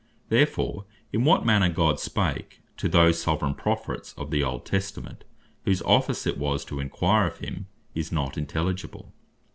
Therefore in what manner God spake to those Soveraign Prophets of the Old Testament, whose office it was to enquire of him, is not intelligible.